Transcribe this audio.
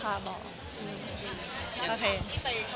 แล้วถามที่ไปทัพรุนกับครอบครัวไหนค่ะ